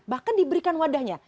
bahkan diberikan wadahnya